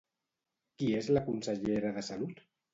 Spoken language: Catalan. Qui és la consellera de Salut?